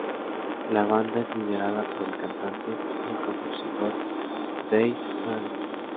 La banda es liderada por el cantante y el compositor Dave Merritt.